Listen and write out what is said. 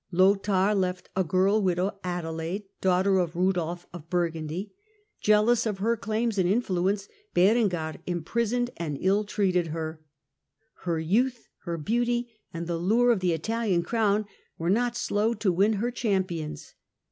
Lothair left a girl widow, Adelaide, daughter of Eudolf of Burgundy. Jealous of her claims and influence, Berengar imprisoned and ill treated her. Her youth, her beauty, and the lure of the Italian crown were not slow to win her champions.